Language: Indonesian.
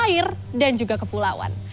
air dan juga kepulauan